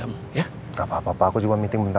miss saya bekerja di jepang